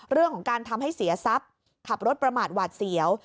เรื่องของการทำให้เสียทรัพย์ขับรถประมาทหวาดเสียว